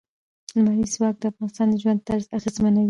لمریز ځواک د افغانانو د ژوند طرز اغېزمنوي.